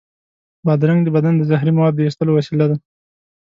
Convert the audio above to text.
بادرنګ د بدن د زهري موادو د ایستلو وسیله ده.